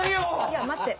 いや待って。